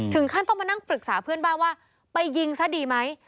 ถึงขั้นต้องมานั่งปรึกษาเพื่อนบ้านว่าไปยิงซะดีไหม